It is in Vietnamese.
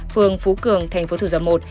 phường phú cường tp thủ dầu một